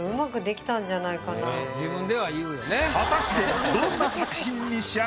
果たして。